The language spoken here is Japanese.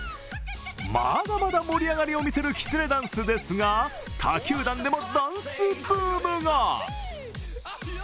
まだまだ盛り上がりを見せるきつねダンスですが他球団でもダンスブームが。